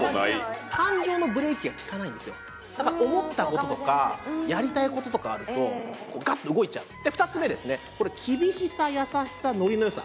感情のブレーキがきかないんですよだから思ったこととかやりたいこととかあるとガッと動いちゃうで２つ目ですね厳しさ優しさノリのよさ